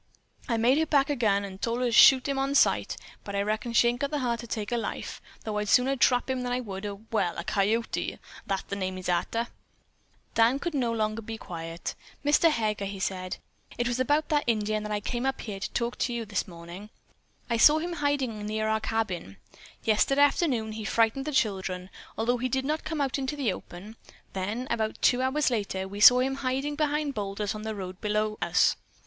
I made her pack a gun, an' tol' her to shoot him on sight, but I reckon she ain't got the heart to take a life, though I'd sooner trap him than I would a well, a coyote that he's named arter." Dan could be quiet no longer. "Mr. Heger," he said, "it was about that very Indian that I came up here to talk to you this morning. I saw him in hiding near our cabin. Yesterday afternoon he frightened the children, although he did not come out into the open; then about two hours later we saw him hiding behind boulders on the road below us.